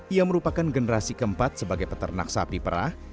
ia merupakan generasi keempat sebagai peternak sapi perah